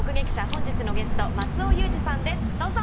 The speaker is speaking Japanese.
本日のゲスト松尾雄治さんですどうぞ。